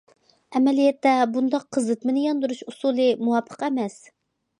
ئەمەلىيەتتە بۇنداق قىزىتمىنى ياندۇرۇش ئۇسۇلى مۇۋاپىق ئەمەس.